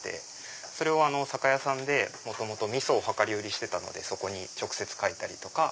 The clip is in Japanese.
それを酒屋さんでみそを量り売りしてたのでそこに直接書いたりとか。